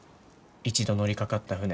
一度乗りかかった船